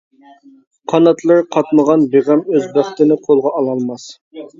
قاناتلىرى قاتمىغان بىغەم ئۆز بەختىنى قولغا ئالالماس.